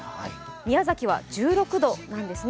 宮崎は１６度なんですね。